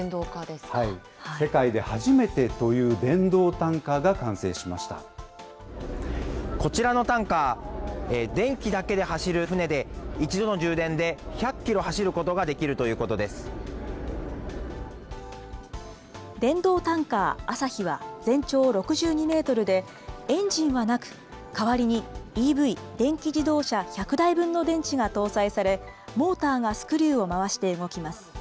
世界で初めてという電動タンこちらのタンカー、電気だけで走る船で、一度の充電で１００キロ走ることができるということ電動タンカー、あさひは、全長６２メートルで、エンジンはなく、代わりにＥＶ・電気自動車１００台分の電池が搭載され、モーターがスクリューを回して動きます。